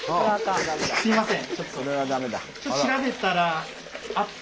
すいません。